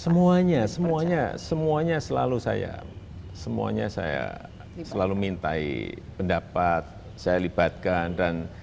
semuanya semuanya selalu saya semuanya saya selalu mintai pendapat saya libatkan dan